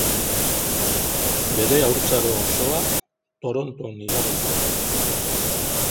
Bere haurtzaro osoa Toronton igaro zuen.